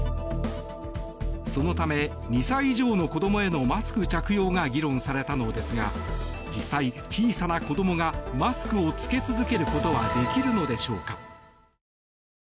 そのため、２歳以上の子供へのマスク着用が議論されたのですが実際、小さな子供がマスクを着け続けることはできるのでしょうか？